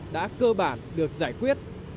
đã cơ bản được giải quyết